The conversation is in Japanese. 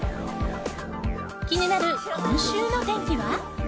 気になる今週の天気は？